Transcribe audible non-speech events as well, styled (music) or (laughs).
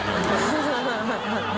ハハハ (laughs)